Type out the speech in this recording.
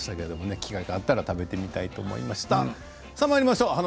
機会があれば食べてみたいと思いました。